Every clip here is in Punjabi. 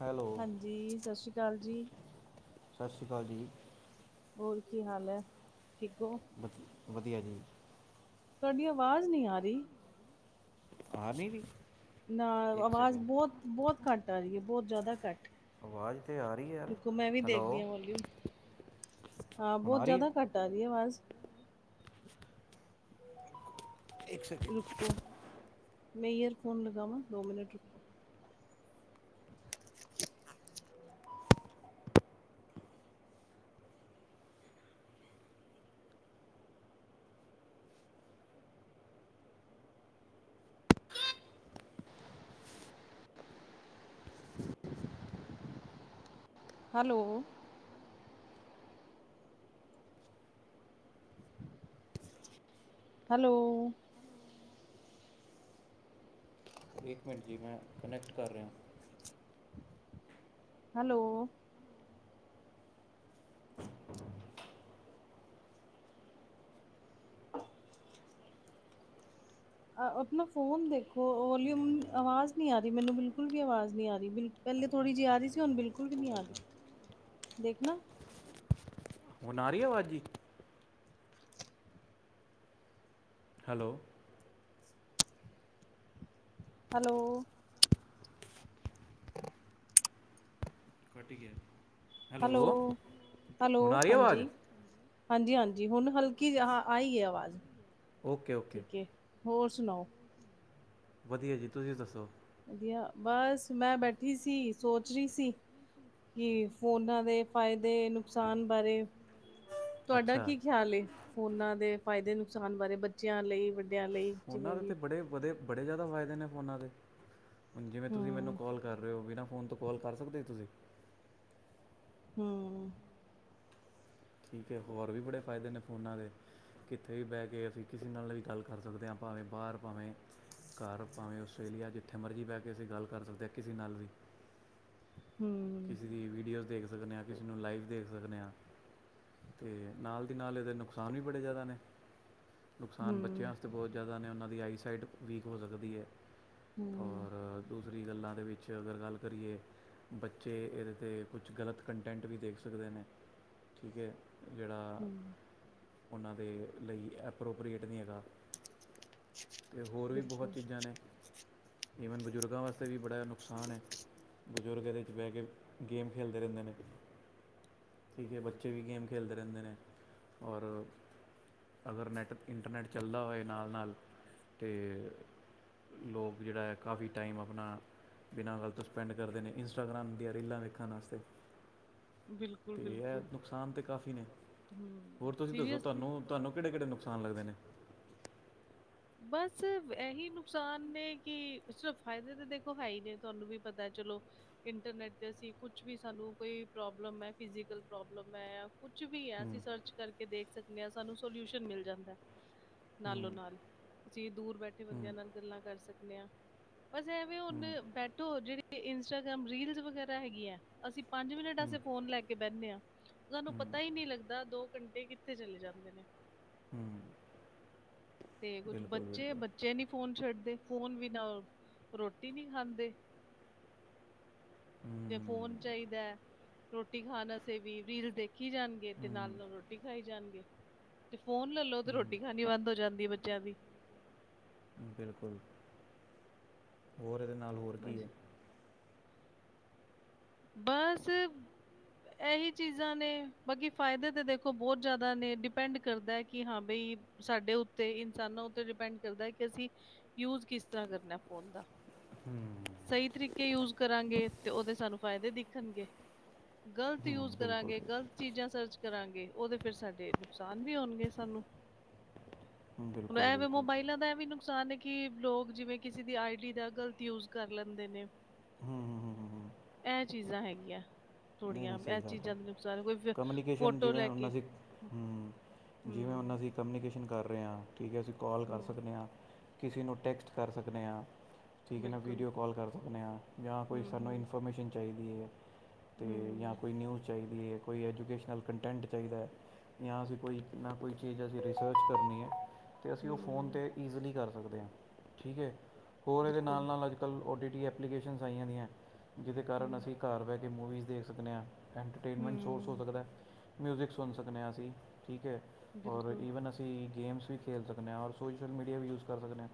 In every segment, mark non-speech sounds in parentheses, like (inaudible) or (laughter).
ਹੈਲੋ। ਜੀ ਸਸ ਸ੍ਰੀ ਕਾਲ ਜੀ। ਸਸ ਸ੍ਰੀ ਕਾਲ ਜੀ। ਔਰ ਕੀ ਹਾਲ ਐ? ਠੀਕ ਓ। ਵਧ ਵਧੀਆ ਜੀ। ਤੁਆਡੀ ਆਵਾਜ਼ ਨੀ ਆ ਰੀ। ਆ ਨੀ ਰੀ? ਨਾ ਆਵਾਜ਼ ਬੋਤ, ਬੋਤ ਘੱਟ ਆ ਰੀ ਐ। ਬੋਤ ਜ਼ਿਆਦਾ ਘੱਟ। ਰੁਕੋ ਮੈਂ ਵੀ ਦੇਖਦੀ ਆਂ ਵੋਲਿਊਮ। ਹਾਂ ਬੋਤ ਜ਼ਿਆਦਾ ਘੱਟ ਟ ਆ ਰੀ ਐ ਆਵਾਜ਼ ਇੱਕ ਸ ਰੁਕੋ, ਮੈਂ ਈਅਰਫੋਨ ਲਗਾਵਾਂ, ਦੋ ਮਿਨਟ ਰੁੱਕੋ। (unintelligible) ਹੈਲੋ। ਹੈਲੋ। ਏੱਕ ਮਿੰਟ ਜੀ ਮੈਂ ਕਨੈਕਟ ਕਰ ਰੇਆਂ। ਹੈਲੋ। (unintelligible) ਆ ਆਪਣਾ ਫ਼ੋਨ ਦੇਖੋ ਓਲਿਊਮ ਆਵਾਜ਼ ਨੀ ਆ ਰੀ, ਮੇਨੂੰ ਬਿਲਕੁਲ ਵੀ ਆਵਾਜ਼ ਨੀ ਆ ਰੀ ਬਿਲਕੁਲ ਪੈਲੇ ਥੋੜੀ ਜੀ ਆ ਰੀ ਸੀ ਹੁਨ ਬਿਲਕੁਲ ਵੀ ਨੀ ਆ ਰੀ। ਦੇਖਨਾ ਹੁਣ ਆ ਰੀ ਏ ਆਵਾਜ ਜੀ? ਹੈਲੋ, ਹੈਲੋ, ਘਟੀਕੇ ਹੈ। ਹੈਲੋ -ਹੈਲੋ ਹਾਂਜੀ, ਹਾਂਜੀ- ਹਾਂਜੀ ਹੁਣ ਹਲਕੀ ਆਈ ਹੈ ਆਵਾਜ਼ ਠੀਕ ਹੈ! ਹੋਰ ਸੁਣਾਓ, ਵਧੀਆ ਜੀ, ਤੁਸੀਂ ਦੱਸੋ। ਵਧੀਆ ਬਸ, ਮੈਂ ਬੈਠੀ ਸੀ ਸੋਚ ਰਹੀ ਸੀ ਕਿ ਫੋਨਾਂ ਦੇ ਫਾਇਦੇ ਨੁਕਸਾਨ ਬਾਰੇ। ਤੁਹਾਡਾ ਕੀ ਖਿਆਲ ਏ? ਫੋਨਾਂ ਦੇ ਫਾਇਦੇ ਨੁਕਸਾਨ ਬਾਰੇ, ਬੱਚਿਆਂ ਲਈ, ਵਡਿਆਂ ਲਈ ਫੋਨਾਂ ਦੇ ਤਾਂ ਬੜੇ ਵਧੇ ਬੜੇ ਜ਼ਿਆਦਾ ਫਾਇਦੇ ਨੇ ਫੋਨਾਂ ਦੇ, ਹੁਣ ਜਿਵੇਂ ਤੁਸੀਂ ਮੈਨੂੰ। ਕੋਲ ਕਰ ਰਹੇ ਹੋ, ਬਿਨਾਂ ਫੋਨ ਤੋਂ ਕੋਲ ਕਰ ਸਕਦੇ ਹੋ ਤੁਸੀਂ? ਹੂੰ। ਠੀਕ ਹੈ ਹੋਰ ਵੀ ਬੜੇ ਫਾਇਦੇ ਨੇ ਫੋਨਾਂ ਦੇ। ਕਿੱਥੇ ਵੀ ਬਹਿ ਕੇ ਅਸੀਂ ਕਿਸੇ ਨਾਲ ਵੀ ਗੱਲ ਕਰ ਸਕਦੇ ਹਾਂ, ਭਾਵੇਂ ਬਾਹਰ ਭਾਵੇਂ ਘਰ ਭਾਵੇਂ ਆਸਟ੍ਰੇਲੀਆ, ਜਿੱਥੇ ਮਰਜ਼ੀ ਬਹਿ ਕੇ ਅਸੀਂ ਗੱਲ ਕਰ ਸਕਦੇ ਹਾਂ, ਕਿਸੇ ਨਾਲ ਵੀ। ਕਿਸੇ ਦੀ ਵੀਡੀਓਜ਼ ਦੇਖ ਸਕਦੇ ਹਾਂ, ਕਿਸੇ ਨੂੰ ਲਾਈਵ ਦੇਖ ਸਕਦੇ ਹਾਂ। ਅਤੇ ਨਾਲ ਦੀ ਨਾਲ ਇਹਦੇ ਨੁਕਸਾਨ ਵੀ ਬੜੇ ਜ਼ਿਆਦਾ ਨੇ। ਨੁਕਸਾਨ ਬੱਚਿਆਂ ਵਾਸਤੇ ਬਹੁਤ ਜ਼ਿਆਦਾ ਨੇ, ਉਹਨਾਂ ਦੀ ਆਈਸਾਈਡ ਵੀਕ ਹੋ ਸਕਦੀ ਹੈ, ਔਰ ਦੂਸਰੀ ਗੱਲਾਂ ਦੇ ਵਿੱਚ ਅਗਰ ਗੱਲ ਕਰੀਏ, ਬੱਚ ਬੱਚੇ ਇਹਦੇ 'ਤੇ ਕੁਛ ਗਲਤ ਕੰਨਟੈਂਟ ਵੀ ਦੇਖ ਸਕਦੇ ਨੇ, ਠੀਕ ਹੈ ਜਿਹੜਾ ਉਹਨਾਂ ਦੇ ਲਈ ਐਪਰੋਪਰੇਏਟ ਨਹੀਂ ਹੈਗਾ। ਅਤੇ ਹੋਰ ਵੀ ਬਹੁਤ ਚੀਜ਼ਾਂ ਨੇ। ਈਵਨ ਬਜ਼ੁਰਗਾਂ ਵਾਸਤੇ ਵੀ ਬੜਾ ਨੁਕਸਾਨ ਹੈ, ਬਜ਼ੁਰਗ ਦੇ। ਬੈ ਕੇ ਗੇਮ ਖੇੱਲਦੇ ਰਹਿੰਦੇ ਨੇ। ਠੀਕ ਹੈ, ਬੱਚੇ ਵੀ ਗੇਮ ਖੇਲਦੇ ਰਹਿੰਦੇ ਨੇ। ਔਰ ਅਗਰ ਨੈੱਟ ਇੰਟਰਨੈੱਟ ਚੱਲਦਾ ਹੋਵੇ। ਨਾਲ -ਨਾਲ ਅਤੇ। ਲੋਕ ਜਿਹੜਾ ਹੈ ਕਾਫੀ ਟਾਈਮ, ਆਪਣਾ ਬਿਨਾਂ ਗ਼ੱਲ ਤੋਂ ਸਪੈਂਡ ਕਰਦੇ ਨੇ। ਇੰਸਟਾਗ੍ਰਮ ਦੀਆਂ ਰੀਲਾਂ ਦੇਖਣ ਵਾਸਤੇ। ਤੇ ਹੈ ਨੁਕਸਾਨ ਤੇ ਕਾਫ਼ੀ ਨੇ ਹੋਰ, ਤੁਸੀਂ ਦੱਸੋ ਤੁਹਾਨੂੰ ਤੁਹਾਨੂੰ ਕਿਹੜੇ -ਕਿਹੜੇ ਨੁਕਸਾਨ। ਨੁਕਸਾਨ ਲੱਗਦੇ ਨੇ। ਬਸ ਇਹੀ ਨੁਕਸਾਨ ਨੇ, ਕਿ ਸਿਰਫ ਫਾਇਦੇ ਤਾਂ ਦੇਖੋ ਹੈ ਹੀ ਨੇ ਤੁਹਾਨੂੰ ਵੀ ਪਤਾ ਚਲੋ। ਇੰਟਰਨੈਟ 'ਤੇ ਅਸੀਂ ਕੁਛ ਵੀ, ਸਾਨੂੰ ਕੋਈ ਪ੍ਰੋਬਲਮ ਹੈ ਫਿਜੀਕਲ ਪ੍ਰੋਬਲਮ ਹੈ ਜਾਂ। ਕੁਛ ਵੀ ਹੈ, ਅਸੀਂ ਸਰਚ ਕਰਕੇ ਦੇਖ ਸਕਦੇ ਹਾਂ ਸਾਨੂੰ ਸੋਲਿਊਸ਼ਨ ਮਿਲ ਜਾਂਦਾ। ਨਾਲੋ ਨਾਲ ਅਸੀਂ ਦੂਰ ਬੈਠੇ ਬੰਦਿਆਂ, ਨਾਲ ਗੱਲਾਂ ਕਰ ਸਕਦੇ ਹਾਂ। ਬਸ ਐਵੇਂ, ਹੁਣ ਬੈਠੋ ਜਿਹੜੀ ਇੰਸਟਾਗ੍ਰਾਮ ਰੀਲ ਵਗੈਰਾ ਹੈਗੀ ਆ। ਅਸੀਂ ਪੰਜ ਮਿੰਟ ਅਸੀਂ ਫੋਨ ਲੈ ਕੇ ਬਹਿੰਦੇ ਹਾਂ। ਸਾਨੂੰ ਪਤਾ ਹੀ ਨਹੀਂ ਲੱਗਦਾ, ਦੋ ਘੰਟੇ ਕਿੱਥੇ ਚਲੇ ਜਾਂਦੇ ਨੇ। ਹੂੰ। ਤੇ ਕੁਝ ਬੱਚੇ- ਬੱਚੇ ਨੀ ਫੋਨ ਛੱਡਦੇ ਫੋਨ, ਬਿਨਾਂ ਰੋਟੀ ਨਹੀਂ ਖਾਂਦੇ। ਜੇ ਫੋਨ ਚਾਹੀਦਾ ਹੈ। ਰੋਟੀ ਖਾਣ। ਵਾਸਤੇ ਵੀ ਰੀਲ ਦੇਖੀ ਜਾਣਗੇ ਤੇ ਨਾਲ ਨਾਲ ਰੋਟੀ ਖਾਈ ਜਾਣਗੇ। ਤੇ ਫੋਨ ਲੈਲੋ ਤੇ ਰੋਟੀ ਖਾਣੀ ਬੰਦ ਹੋ ਜਾਂਦੀ ਹੈ ਬੱਚਿਆਂ ਦੀ। ਬਿਲਕੁਲ, ਹੋਰ ਇਹਦੇ ਨਾਲ ਹੋਰ ਕੀ ਹੈ। ਬਾਸ ਏਹੀ ਚੀਜ਼ਾਂ ਨੇ ਬਾਕੀ ਫਾਇਦੇ ਤੇ ਦੇਖੋ ਬਹੁਤ ਜ਼ਾਦਾ ਨੇ, ਡਿਪੈਂਡ ਕਰਦਾ ਕਿ ਹਾਂ ਬਈ। ਸਾਡੇ ਉੱਤੇ ਇਨਸਾਨਾਂ ਉੱਤੇ ਡਿਪੈਂਡ ਕਰਦਾ ਆ, ਕਿ ਅਸੀਂ। ਯੂਜ ਕਿਸ ਤਰ੍ਹਾਂ ਕਰਨਾ ਫੋਨ ਦਾ। ਹਮ। ਸਹੀ ਤਰੀਕੇ ਯੂਜ ਕਰਾਂਗੇ ਤੇ ਉਹਦੇ ਸਾਨੂੰ। ਫਾਇਦੇ ਦੇਖਣਗੇ, ਗ਼ਲਤ ਯੂਜ ਕਰਾਂਗੇ ਗ਼ਲਤ। ਚੀਜ਼ਾਂ ਸਰਚ ਕਰਾਂਗੇ, ਓਹਦੇ ਫੇਰ ਸਾਡੇ ਨੁਕਸਾਨ ਵੀ ਹੋਣਗੇ ਸਾਨੂੰ। ਮੈ ਤਾ ਮੋਬਾਇਲਾਂ ਦਾ ਐ ਵੀ ਕ ਨੁਕਸਾਨ ਕਿ ਲੋਕ ਜਿਵੇਂ ਕਿਸੇ ਦੀ ਆਈ ਡੀ ਦਾ ਗ਼ਲਤ ਯੂਜ ਕਰ ਲੈਂਦੇ ਨੇ। ਹਮ- ਹਮ -ਹਮ। ਏ ਚੀਜ਼ਾਂ ਹੈਗੀਆਂ ਥੋੜੀਆਂ, ਏ ਚੀਜ਼ਾਂ ਦਾ ਨੁਕਸਾਨ ਕੋਈ ਫੋਟੋ ਲੈ ਕੇ। ਹਮ ਜਿਵੇਂ ਓਹਨਾਂ ਅ ਦੀਂ ਕਮਿਊਨੀਕੇਸ਼ਨ ਕਰ ਰਹੇ ਠੀਕ ਆ, ਅਸੀਂ ਕੋਲ ਕਰ ਸਕਦੇ ਆ, ਕਿਸੇ ਨੂੰ ਟੈਕਸਟ ਕਰ ਸਕਦੇ ਆ। ਠੀਕ ਹੈ ਨਾ, ਵੀਡੀਓ ਕਾਲ ਕਰ ਸਕਦੇ ਹਾਂ ਜਾਂ ਕੋਈ ਸਾਨੂੰ ਇਨਫੋਰਮੇਸ਼ਨ ਚਾਹੀਦੀ ਹੈ ਤੇ ਜਾਂ, ਕੋਈ ਨਿਊਜ਼ ਚਾਹੀਦੀ ਏ, ਕੋਈ ਐਜੂਕੇਸ਼ਨਲ ਕੰਟੈਂਟ ਚਾਹੀਦਾ ਹੈ, ਜਾਂ ਅਸੀਂ ਕੋਈ ਨਾ -ਨਾ ਕੋਈ ਚੀਜ਼ ਅਸੀਂ ਰਿਸਰਚ ਕਰਨੀ ਏ, ਅਤੇ ਅਸੀਂ ਓਹ ਫੋਨ 'ਤੇ ਈਜ਼ਲੀ ਕਰ ਸਕਦੇ ਹਾਂ ਠੀਕ ਆ, ਹੋਰ ਇਹਦੇ ਨਾਲ -ਨਾਲ ਅੱਜ -ਕੱਲ੍ਹ ਓ, ਡੀ, ਟੀ ਐਪਲੀਕੇਸ਼ਨਸ ਆਈਆਂ ਦੀਆਂ। ਜਿਹਦੇ ਕਾਰਨ ਅਸੀਂ ਘਰ ਬੈਹ ਕੇ ਮੂਵੀਜ਼ ਦੇਖ ਸਕਦੇ ਆ। ਐਂਟਰਟੇਨਮੈਂਟ ਸੋਰਸ ਹੋ ਸਕਦਾ ਐ, ਮਿਊਜਿਕ, ਸੁਣ ਸਕਦੇ ਆ ਅਸੀਂ ਠੀਕ ਐ, ਔਰ ਈ ਵਨ ਅਸੀਂ ਅਸੀਂ ਗੇਮਸ ਵੀ ਖੇਡ ਸਕਦੇ ਆ, ਔਰ ਸੋਸ਼ਲ ਮੀਡੀਆ ਵੀ ਯੂਜ ਕਰ ਸਕਦੇ ਆ,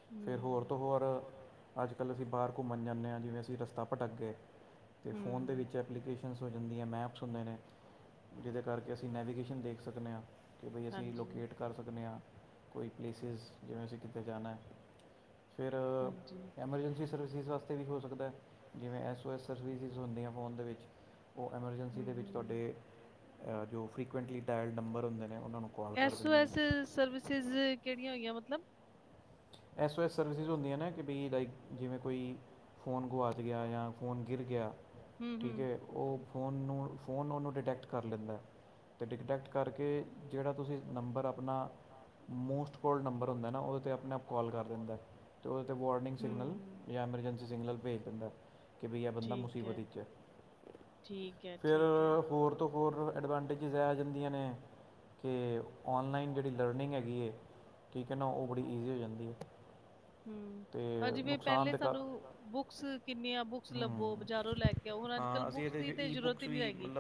ਹਮ। ਅੱਜ -ਕੱਲ੍ਹ ਅਸੀਂ ਬਾਹਰ ਘੁੰਮਣ ਜਾਂਦੇ ਆ, ਜਿਵੇਂ ਅਸੀਂ ਰਸਤਾ ਭਟਕ ਗਏ, ਅਤੇ ਫੋਨ ਦੇ ਵਿੱਚ ਐਪਲੀਕੇਸ਼ਨ ਹੋ ਜਾਂਦੀਆਂ, ਮੈਪਸ ਹੁੰਦੇ ਨੇ। ਜਿਹਦੇ ਕਰਕੇ ਅਸੀਂ ਨੈਵੀਗੇਸ਼ਨ ਦੇਖ ਸਕਦੇ ਆ, ਕਿ ਬਈ ਅਸੀਂ ਲੋਕੇਟ ਕਰ ਸਕਦੇ ਆ। ਕੋਈ ਪਲੇਸਿਸ ਜਿਵੇਂ ਅਸੀਂ ਕਿੱਤੇ ਜਾਣਾ। ਫਿਰ ਐਮਰਜੈਂਸੀ ਸਰਵਿਸਿਸ ਵਾਸਤੇ ਵੀ ਹੋ ਸਕਦਾ, ਜਿਵੇਂ ਐੱਸ, ਓ, ਐੱਸ। ਸਰਵਿਸਿਸ ਹੁੰਦੀਆਂ ਫੋਨ ਦੇ ਵਿੱਚ ਓਹ ਐਮਰਜੈਂਸੀ ਦੇ ਵਿੱਚ ਤੁਹਾਡੇ ਜੋ ਫਰੀਕੁਐੈਂਟਲੀ ਡਾਇਲਡ ਨੰਬਰ ਹੁੰਦੇ ਨੇ, ਉਹਨਾਂ ਨੂੰ ਕੋਲ ਕਰ ਦਿੰਦੇ ਨੇ। ਸਰਵਿਸਿਿਸ ਕੇਹੜੀਆਂ ਹੋਈਆਂ ਮਤਲਬ। ਐਸ, ਓ ਐਸ ਸਰਵਿਸਿਸ ਹੁੰਦੀਆਂ ਨੇ, ਕਿ ਬਈ ਲਾਈਕ ਜਿਵੇਂ ਕੋਈ ਫੋਨ ਗੁਆਚ ਗੇਆ, ਜਾਂ ਫੋਨ ਗਿਰ ਗੇਆ। ਠੀਕ ਏ, ਉਹ ਫੋਨ ਨੂੰ ਫ਼ੋਨ ਓਹਨੂੰ ਡਿਟੈਕਟ ਕਰ ਲੈਂਦਾ ਏ। ਅਤੇ ਡਿਟੈਕਟ ਕਰਕੇ ਜਿਹੜਾ ਤੁਸੀਂ ਨੰਬਰ ਆਪਣਾ ਮੋਸਟ ਕੋਲਡ ਨੰਬਰ ਹੁੰਦਾ ਨਾ, ਓਹਦੇ 'ਤੇ ਆਪ ਆਪਣੇ ਆਪ ਕਾਲ ਕਰ ਦਿੰਦਾ। ਅਤੇ ਓਹਦੇ 'ਤੇ ਵਾਰਨਿੰਗ ਸਿਗਨਲ ਜਾਂ ਅਮਰਜੈਂਸੀ ਸਿਗਨਲ ਭੇਜ ਦਿੰਦਾ, ਕਿ ਭਈ ਏ ਬੰਦਾ ਮੁਸੀਬਤ ਵਿੱਚ ਏ, ਠੀਕ ਏ, ਠੀਕ, ਏ ਹੋਰ -ਹੋਰ। ਕਿ ਔਨਲਾਈਨ ਜੇਹੜੀ ਲਰਨਿੰਗ ਹੈਗੀ ਏ, ਠੀਕ ਹੈ ਨਾ, ਓਹ ਬੜੀ ਈਜ਼ੀ ਹੋ ਜਾਂਦੀ ਏ, ਹਾ ਜਿਵੇਂ ਪੇਲੇ ਸਾਨੂੰ ਬੁਕਸ ਕਿੰਨੀਆਂ ਬੁ ਬੁਕਸ ਲਭੋ ਬਜ਼ਾਰੋਂ ਲੈ ਕੇ ਆੳ, ਹੁਣ ਅੱਜ -ਕਲ ਬੁਕਸ ਦੀ ਜਰੂਰਤ ਹੀ ਨਹੀ ਰਹੇਗੀ।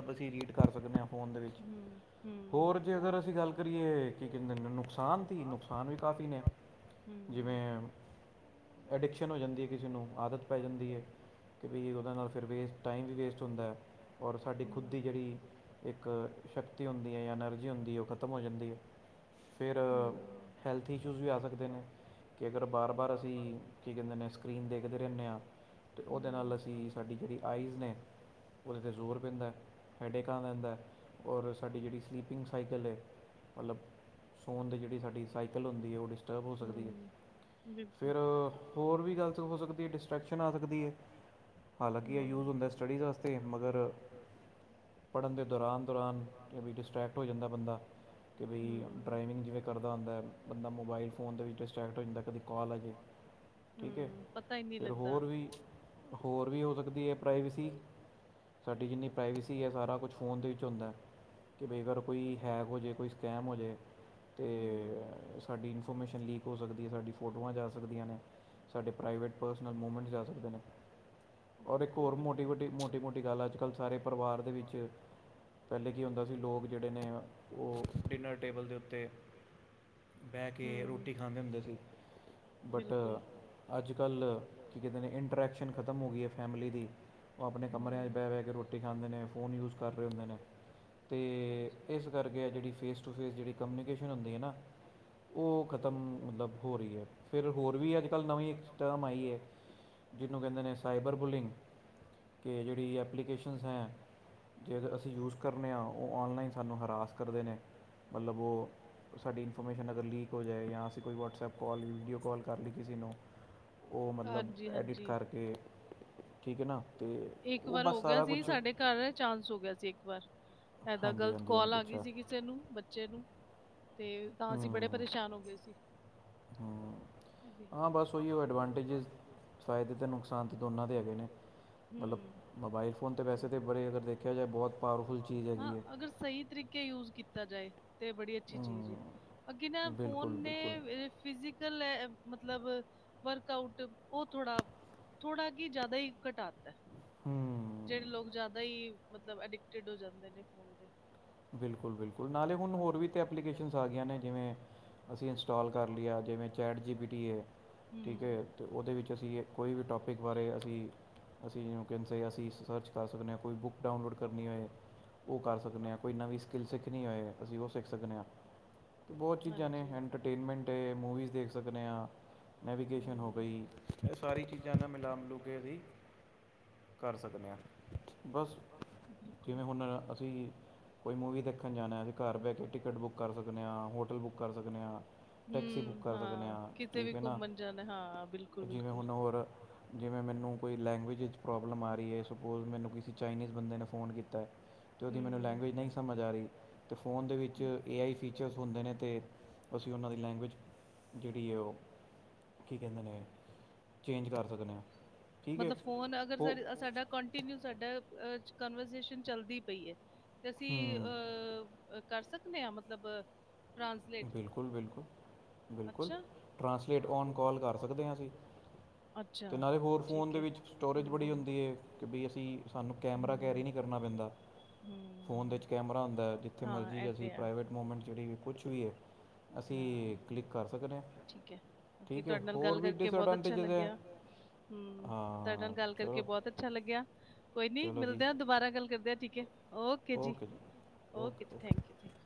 ਹਮ ਹੋਰ ਜੇ ਅਗਰ ਅਸੀਂ ਗੱਲ ਕਰੀਏ ਨੁਕਸਾਨ- ਨੁਕਸਾਨ ਹੀ ਤਾਂ ਹਮ ਐਡਿਕਸ਼ਨ ਹੋ ਜਾਂਦੀ ਏ, ਕਿਸੇ ਨੂੰ ਆਦਤ ਪੈ ਜਾਂਦੀ ਏ। ਕਿ ਬਈ ਉਹਦੇ ਨਾਲ ਫਿਰ ਵੇਸਟ ਟਾਈਮ ਵੀ ਵੇਸਟ ਹੁੰਦਾ ਔਰ ਸਾਡੀ ਖੁਦ ਦੀ ਜੇਹੜੀ ਇੱਕ ਸ਼ਕਤੀ ਹੁੰਦੀ ਏ ਜਾਂ ਐਨਰਜੀ ਹੁੰਦੀ ਓਹ ਖਤਮ ਹੋ ਜਾਂਦੀ ਏ। ਫਿਰ ਹੈਲਥ ਇਸ਼ੂਜ ਵੀ ਆ ਸਕਦੇ ਨੇ। ਕਿ ਅਗਰ ਬਾਰ-ਬਾਰ ਅਸੀ ਕੀ ਕੇਂਦੇ ਨੇ ਸਕਰੀਨ ਦੇਖਦੇ ਰੇਂਨੇ ਆਂ ਤੇ ਓਦੇ ਨਾਲ ਅਸੀ ਸਾਡੀ ਜੜੀ ਆਈਜ਼ ਨੇ ਓਦੇ 'ਤੇ ਜ਼ੋਰ ਪੇਂਦੈ ਹੈਡੇਕਾਂ ਰੈਂਦੈ। ਔਰ ਸਾਡੀ ਜੜੀ ਸਲੀਪਿੰਗ ਸਾਈਕਲ ਏ ਮਤਲਬ ਸੋਨ ਦੀ ਜੜੀ ਸਾਡੀ ਸਾਈਕਲ ਹੁੰਦੀ ਏ ਓ ਡਿਸਟਰਬ ਹੋ ਸਕਦੀ ਏ। ਫੇਰ ਹੋਰ ਵੀ ਗ਼ਲਤ ਹੋ ਸਕਦੀ ਏ ਡਿਸਟਰ੍ਰੈਕਸ਼ਨ ਆ ਸਕਦੀ ਏ। ਹਾਲਾਂਕਿ ਐ ਯੂਜ਼ ਹੁੰਦੈ ਸਟੱਡੀਜ਼ ਆਸਤੇ ਮਗਰ ਪੜਨ ਦੇ ਦੌਰਾਨ, ਦੌਰਾਨ ਕੇ ਬੀ ਡਿਸਟਰੈਕਟ ਹੋ ਜਾਂਦੈ ਬੰਦਾ ਕਿ ਬਈ ਡਰਾਈਵਿੰਗ ਜਿਵੇਂ ਕਰਦਾ ਹੁੰਦੈ ਬੰਦਾ ਮੋਬਾਈਲ ਫੋਨ ਦੇ ਵਿੱਚ ਡਿਸਟਰੈਕਟ ਜਾਂਦੈ ਕਦੀ ਕੌਲ ਆ ਜੇ ਠੀਕ ਐ, ਫਿਰ ਹੋਰ ਵੀ ਹੋਰ ਵੀ ਹੋ ਸਕਦੀ ਐ ਪ੍ਰਾਈਵੇਸੀ ਸਾਡੀ ਜਿੰਨੀ ਪ੍ਰਾਈਵੇਸੀ ਐ ਸਾਰਾ ਕੁਛ ਫੋਨ ਦੇ ਵਿੱਚ ਹੁੰਦੈ ਕਿ ਬਈ ਅਗਰ ਕੋਈ ਹੈਕ ਹੋ ਜੇ, ਕੋਈ ਸਕੈਮ ਹੋ ਜੇ ਤੇ ਸਾਡੀ ਇਨਫੋਰਮੇਸ਼ਨ ਲੀਕ ਹੋ ਸਕਦੀ ਏ। ਸਾਡੀ ਫੋਟੋਆਂ ਜਾ ਸਕਦੀਆਂ ਨੇ, ਸਾਡੇ ਪ੍ਰਾਈਵੇਟ ਪਰਸਨਲ ਮੂਮੈਂਟਸ ਜਾ ਸਕਦੇ ਨੇ। ਔਰ ਏੱਕ ਔਰ ਮੋਟੀ ਵੇਟੀ, ਮੋਟੀ-ਮੋਟੀ ਗੱਲ ਆੱਜ-ਕਾੱਲ ਸਾਰੇ ਪਰਿਵਾਰ ਦੇ ਵਿੱਚ ਪੈਲੇ ਕੀ ਹੁੰਦਾ ਸੀ ਲੋਕ ਜੜੇ ਨੇ ਓ ਡਿਨਰ ਟੇਬਲ ਦੇ ਉੱਤੇ ਬੈ ਕੇ ਰੋਟੀ ਖਾਂਦੇ ਹੁੰਦੇ ਸੀ। ਬਟ ਆੱਜ-ਕਾੱਲ ਕੀ ਕੈਂਦੇ ਨੇ ਇਨਟਰੈਕ ਸ਼ਨ ਖਤਮ ਹੋ ਗਈ ਐ ਫੈਮਿਲੀ ਦੀ। ਓ ਆਪਣੇ ਕਮਰੇਆਂ 'ਚ ਬੈ-ਬੈ ਕੇ ਰੋਟੀ ਖਾਂਦੇ ਨੇ, ਫੋਨ ਯੂਜ ਕਰ ਰਏ ਹੁੰਦੇ ਨੇ ਤੇ ਏਸ ਕਰਕੇ ਐ ਜੜੀ ਫੇਸ ਟੂ ਫੇਸ ਜੜੀ ਕਮਿਊਨੀਕੇਸ਼ਨ ਹੁੰਦੀ ਏ ਨਾ ਓ ਖਤਮ ਮਤਲਬ ਹੋ ਰੀ ਐ। ਫੇਰ ਹੋਰ ਵੀ ਆੱਜ-ਕਾੱਲ ਨਵੀਂ ਇੱਕ ਸਟਰਮ ਆਈ ਐ ਓ ਕੈਂਦੇ ਨੇ ਸਾਈਬਰ ਬੁਲਿੰਗ ਕੇ ਜੜੀ ਐਪਲੀਕੇਸ਼ਨਸ ਐਂ ਜੇ ਅਗਰ ਅਸੀਂ ਯੂਜ਼ ਕਰਨੇ ਆਂ ਓ ਔਨਲਾਈਨ ਸਾਨੂੰ ਹਰਾਸ ਕਰਦੇ ਨੇ ਮਤਲਬ ਓ ਸਾਡੀ ਇਨਫੋਰਮੇਸ਼ਨ ਅਗਰ ਲੀਕ ਹੋ ਜਾਏ ਯਾਂ ਅਸੀਂ ਕੋਈ ਵਟ ਕੌਲ, ਵੀਡੀਓ ਕੌਲ ਕਰ ਲਈ ਕਿਸੀ ਨੂੰ ਮਤਲਬ ਐਡਿਟ ਇੱਕ ਵਾਰ ਹੋ ਗਿਆ ਸੀ ਸਾਡੇ ਘਰ ਚਾਂਸ ਹੋ ਗਿਆ ਸੀ ਇੱਕ ਵਾਰ। ਐਦਾਂ ਗਲਤ ਕੌਲ ਆ ਗੀ ਸੀ ਕਿ ਤੇ ਨੂੰ ਬੱਚੇ ਨੂੰ ਬੱਚੇ ਨੂੰ ਤੇ ਤਾਂ ਅਸੀ ਬੜੇ ਪਰੇਸ਼ਾਨ ਹੋ ਗਏ ਸੀ। ਹੂੰ। ਐਵੀ। ਹਾਂ ਬਸ ਓਈਯੋ ਐਡਵਾਂਟੇਜਿਸ ਫਾਏਦੇ ਤੇ ਨੁਕਸਾਨ ਤੇ ਦੋਨਾਂ ਦੇ ਹੈਗੇ ਨੇ। ਮਤਲਬ ਮੋਬਾਈਲ ਫੋਨ 'ਤੇ ਵੈਸੇ ਤੇ ਬੜੇ ਅਗਰ ਦੇ ਖੇਆ ਜਾਏ ਬੋਤ ਪਾਵਰਫੁਲ ਚੀਜ ਹੈਗੀ ਏ ਅਗਰ ਸਈ ਤਰੀਕੇ ਯੂਜ਼ ਕੀਤਾ ਜਾਏ ਤੇ ਬੜੀ ਅੱਛੀ ਚੀਜ ਏ। ਅੱਗੇ ਨਾ ਫੋਨ ਨੇ ਫਿਜ਼ੀਕਲ ਐ ਮਤਲਬ ਵਰਕ ਆਊਟ ਓ ਥੋੜਾ ਥੋੜਾ ਕੀ ਜ਼ਿਆਦਾ ਈ ਘਟਾ ਤਾ ਐ। ਹੂੰ। ਜੜੇ ਲੋਗ ਜ਼ਿਆਦਾ ਈ ਮਤਲਬ ਅਡਿਕਟਿਡ ਹੋ ਜਾਂਦੇ ਨੇ ਫੋਨ ਤੇ। ਬਿਲਕੁਲ-ਬਿਲਕੁਲ ਨਾਲੇ ਹੂਨ ਹੋਰ ਵੀ ਤੇ ਐਪਲੀਕੇਸ਼ਨਸ ਆ ਗਈਆਂ ਨੇ ਜਿਵੇਂ ਅਸੀ ਇੰਸਟੋਲ ਕਰ ਲਿਆ ਜਿਵੇਂ ਚੈਟ ਜੀ ਬੀ ਟੀ ਐ, ਠੀਕ ਏ ਤੇ ਓਦੇ ਵਿੱਚ ਅਸੀ ਏ ਕੋਈ ਵੀ ਟੋਪਿਕ ਬਾਰੇ ਅਸੀ ਅਸੀ ਯੂੰਕੈਂਸੇ ਯਾਂ ਅਸੀ ਸਰਚ ਕਰ ਸਕਨੇ ਆਂ। ਕੋਈ ਬੁੱਕ ਡਾਊਨਲੋਡ ਕਰਨੀ ਹੋਏ ਓ ਕਰ ਸਕਨੇ ਆਂ ਕੋਈ ਨਵੀਂ ਸਕਿੱਲ ਸਿੱਖਨੀ ਹੋਏ ਅਸੀ ਓ ਸਿੱਖ ਸਕਨੇ ਆਂ। ਬੋਤ ਚੀਜਾਂ ਨੇ ਐਂਟਰਟੇਨਮੈਂਟ ਏ, ਮੂਵੀਜ਼ ਦੇਖ ਸਕਨੇ ਆਂ ਨੈਵੀਗੇਸ਼ਨ ਹੋ ਗਈ। ਐ ਸਾਰੀ ਚੀਜਾਂ ਨਾ ਮਿਲਾ ਮਿਲੂ ਕੇ ਅਸੀ ਕਰ ਸਸਨੇ ਆਂ। ਬਸ ਜਿਵੇਂ ਹੁਨ ਅਸੀ ਕੋਈ ਮੂਵੀ ਦੇਖਣ ਜਾਣਾ ਅਸੀਂ ਘਰ ਬਹਿ ਕੇ ਟਿਕਟ ਬੁੱਕ ਕਰ ਸਕਦੇ ਐ ਹੋਟਲ ਬੁੱਕ ਕਰ ਸਕਦੇ ਆ। ਟੈਕਸੀ ਬੁੱਕ ਕਰ ਸਕਦੇ ਆ ਠੀਕ ਐ ਨਾ ਜਿਵੇਂ ਹੁਣ ਹੋਰ ਜਿਵੇਂ ਮੈਨੂੰ ਕੋਈ ਲੈਂਗੁਏਜ ਪ੍ਰੋਬਲਮ ਆ ਰਹੀ ਐ ਸਪੋਜ਼ ਮੈਨੂੰ ਕਿਸੇ ਚਾਈਨੀਜ਼ ਬੰਦੇ ਨੇ ਫੋਨ ਕੀਤਾ ਤੇ ਉਹਦੀ ਮੈਨੂੰ ਲੈਂਗੁਏਜ ਨਈ ਸ, ਸਮਝ ਆ ਰੀ ਤੇ ਫੋਨ ਦੇ ਵਿੱਚ ਏ ਆਈ ਫੀਚਰਸ ਹੁੰਦੇ ਨੇ ਤੇ ਅਸੀਂ ਉਹਨਾਂ ਦੀ ਲੈਂਗੁਏਜ। ਜਿਹੜੀ ਓ ਕੀ ਕਹਿੰਦੇ ਨੇ। ਮਤਲਬ ਫੋਨ ਅਗਰ ਸਾ ਸਾਡਾ ਕੰਟੀਨਿਊ ਸਾਡਾ ਕਨਵਰਸ਼ੇਸ਼ਨ ਚੱਲਦੀ ਪਈ ਐ ਤੇ ਅਸੀਂ ਅ ਅ ਕਰ ਸਕਦੇ ਆ ਮਤਲਬ ਬਿਲਕੁਲ ਬਿਲਕੁਲ ਬਿਲਕੁਲ ਟ੍ਰਾਂਸਲੇਟ ਔਨ ਕੋਲ ਕਰ ਸਕਦੇ ਆ ਅਸੀਂ। ਤੇ ਨਾਲੇ ਹੋਰ ਫੋਨ ਦੇ ਵਿੱਚ ਸਟੋਰੇਜ ਬੜੀ ਹੁੰਦੀ ਆ ਕੇ ਵੀ ਅਸੀਂ ਸਾਨੂੰ ਕੈਮਰਾ ਕੈਰੀ ਨੀ ਕਰਨਾ ਪੈਂਦਾ। ਫੋਨ ਦੇ ਵਿੱਚ ਕੈਮਰਾ ਹੁੰਦਾ ਐ ਜਿੱਥੇ ਮਰਜ਼ੀ ਅਸੀਂ ਪ੍ਰਾਈਵੇਟ ਮਮੈਂਟ ਜਿਹੜੀ ਕੁਛ ਵੀ ਐ। ਹਾਂ ਠੀਕ ਐ ਬਾਕੀ ਤੁਹਾਡੇ ਨਾਲ ਗੱਲ ਕਰਕੇ ਬਹੁਤ ਅੱਛਾ ਲੱਗਿਆ। ਹੂੰ, ਤੁਹਾਡੇ ਨਾਲ ਗੱਲ ਕਰਕੇ ਬਹੁਤ ਅੱਛਾ ਲੱਗਿਆ ਕੋਈ ਨੀ ਮਿਲਦਿਆਂ। ਦੁਬਾਰਾ ਗੱਲ ਕਰਦੇ ਆ ਠੀਕ ਐ ਓਕੇ ਜੀ ਓਕੇ ਜੀ ਥੈਂਕ ਯੂ ਥੈਂਕੂ।